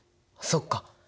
そっか。